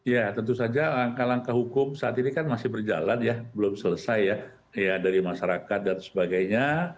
ya tentu saja langkah langkah hukum saat ini kan masih berjalan ya belum selesai ya dari masyarakat dan sebagainya